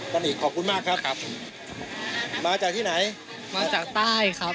ตอนนี้ขอบคุณมากครับครับมาจากที่ไหนมาจากใต้ครับ